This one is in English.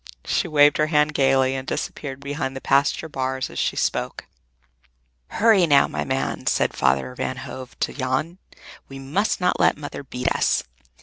She waved her hand gayly and disappeared behind the pasture bars, as she spoke. "Hurry, now, my man," said Father Van Hove to Jan. "We must not let Mother beat us!